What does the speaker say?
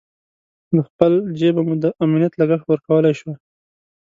له خپل جېبه مو د امنیت لګښت ورکولای شوای.